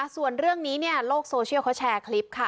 ส่วนเรื่องนี้โลกโซเชียลเขาแชร์คลิปค่ะ